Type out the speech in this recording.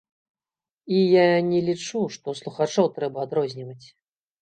І я не лічу, што слухачоў трэба адрозніваць.